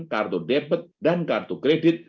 kartu depet dan kartu kredit